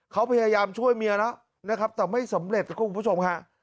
เขาพยายามช่วยเมียแล้วนะครับแต่ไม่สำเร็จนะคุณผู้ชมฮะ